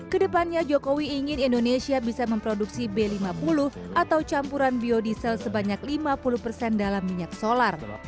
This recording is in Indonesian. kedepannya jokowi ingin indonesia bisa memproduksi b lima puluh atau campuran biodiesel sebanyak lima puluh persen dalam minyak solar